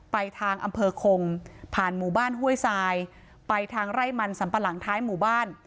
ไปทางอำเภอคงผ่านหมู่บ้านห้วยทรายไปทางไร่มันสัมปะหลังท้ายหมู่บ้าน